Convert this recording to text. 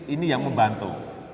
ini yang membantu